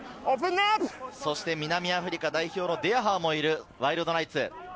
南アフリカ代表のデヤハーもいる、ワイルドナイツ。